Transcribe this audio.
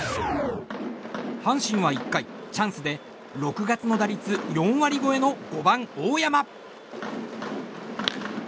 阪神は１回チャンスで６月の打率４割超えの５番、大山。